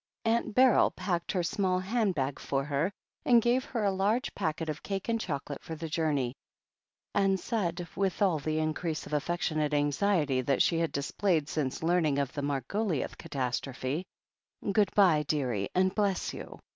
Aunt Beryl packed her small hand bag for her and gave her a large packet of cake and chocolate for the journey, and said, with all the increase of affectionate anxiety that she had displayed since learning of the Margoliouth catastrophe: "Good bye, dearie, and bless you.